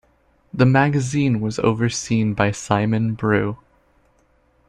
The magazine was overseen by Simon Brew.